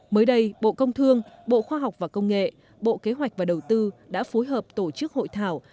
mới đây bộ công thương bộ khoa học và công nghệ bộ kế hoạch và đầu tư đã phối hợp tổ chức hội thảo